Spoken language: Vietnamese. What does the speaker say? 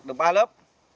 được ba lớp